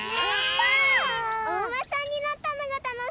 おうまさんにのったのがたのしかった。